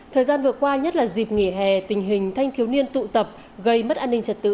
thời gian vừa qua nhất là dịp nghỉ hè tình hình thanh thiếu niên tụ tập gây mất an ninh trật tự